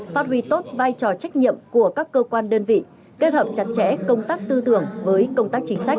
phát huy tốt vai trò trách nhiệm của các cơ quan đơn vị kết hợp chặt chẽ công tác tư tưởng với công tác chính sách